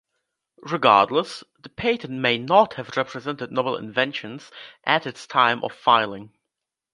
Regardless, the patent may not have represented novel invention at its time of filing.